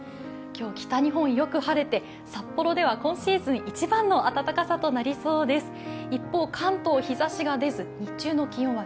今日北日本、よく晴れて札幌では今シーズン一番の暖かさとなりそうです。